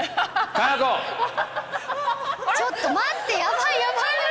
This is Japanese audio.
ちょっと待ってヤバいヤバい！